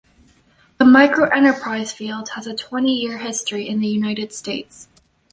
The microenterprise field has a twenty-year history in the United States.